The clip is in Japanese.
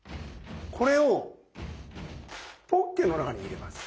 これをポッケの中に入れます。